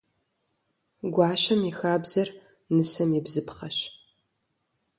Гуащэм и хабзэр нысэм и бзыпхъэщ.